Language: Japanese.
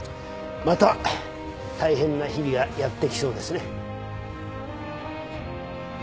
また大変な日々がやって来そうですね。